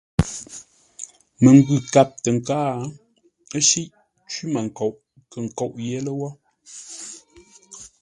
Məngwʉ̂ kâp tə nkáa, ə́ shíʼ; cwímənkoʼ kə̂ nkóʼ yé lə́wó.